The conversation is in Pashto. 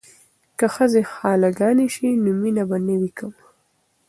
که ښځې خاله ګانې شي نو مینه به نه وي کمه.